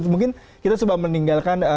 mungkin kita sudah meninggalkan